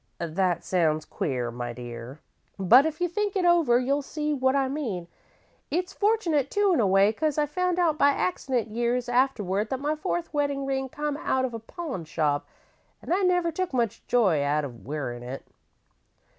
That sounds queer, my dear, but if you think it over, you'll see what I mean. It's fortunate, too, in a way, 'cause I found out by accident years afterward that my fourth weddin' ring come out of a pawn shop, an' I never took much joy out of wearin' it.